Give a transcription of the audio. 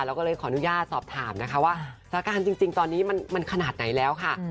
เราก็เลยขออนุญาตสอบถามนะคะว่าสถานการณ์จริงตอนนี้มันขนาดไหนแล้วค่ะ